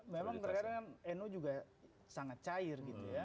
memang terkadang nu juga sangat cair gitu ya